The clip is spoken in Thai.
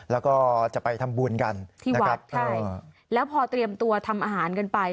แล้วก็จะไปทำบุญกันที่วัดใช่แล้วพอเตรียมตัวทำอาหารกันไป